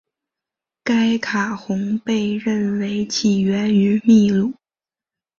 该卡洪被认为起源于秘鲁。